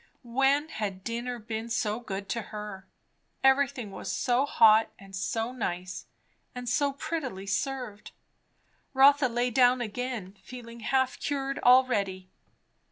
When had dinner been so good to her? Everything was so hot and so nice and so prettily served. Rotha lay down again feeling half cured already.